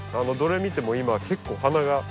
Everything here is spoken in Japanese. どれ見ても今結構お花が。